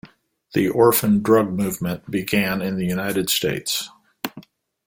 The orphan drug movement began in the United States.